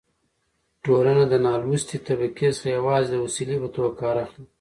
ټولنه له نالوستې طبقې څخه يوازې د وسيلې په توګه کار اخلي.